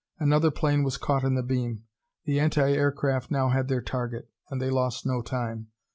Another plane was caught in the beam. The anti aircraft now had their target, and they lost no time.